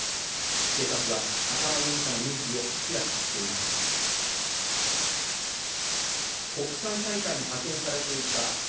警察は赤間容疑者の認否を明らかにしていません。